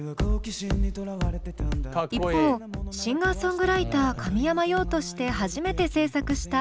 一方シンガーソングライター神山羊として初めて制作した「ＹＥＬＬＯＷ」。